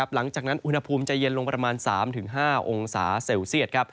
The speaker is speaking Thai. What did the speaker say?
หลังจากนั้นอุณหภูมิจะเย็นลงประมาณ๓๕องศาเซลเซียต